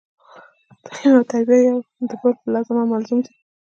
تعلیم او تربیه یو د بل لازم او ملزوم دي